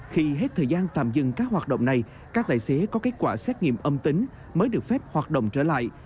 khi hết thời gian tạm dừng các hoạt động này các tài xế có kết quả xét nghiệm âm tính mới được phép hoạt động trở lại